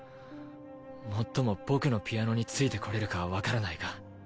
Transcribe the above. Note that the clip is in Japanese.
もっとも僕のピアノについてこられるかはわからないが。